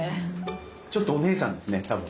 ちょっとお姉さんですね多分。